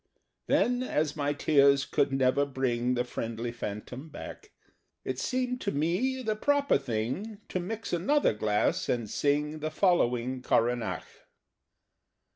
Then, as my tears could never bring The friendly Phantom back, It seemed to me the proper thing To mix another glass, and sing The following Coronach.